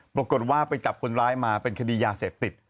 ปรากฏว่าไปจับคนร้ายมาเป็นคดียาเสพติด